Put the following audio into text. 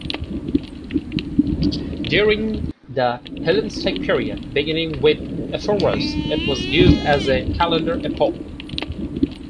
During the Hellenistic period, beginning with Ephorus, it was used as a calendar epoch.